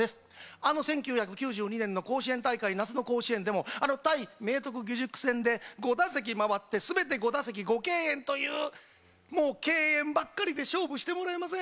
あの１９９２年の甲子園大会夏の甲子園でも、あの対明徳義塾戦で５打席回って、全て５敬遠という、もう敬遠ばっかりで勝負してもらえません。